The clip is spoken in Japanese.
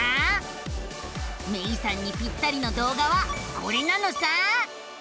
めいさんにぴったりの動画はこれなのさ。